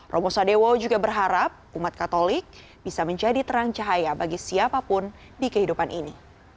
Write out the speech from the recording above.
romo sadewo juga berharap umat katolik bisa menjadi terang cahaya bagi siapapun di kehidupan ini